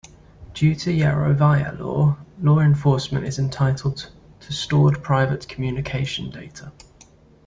Due to Yarovaya Law, law enforcement is entitled to stored private communication data.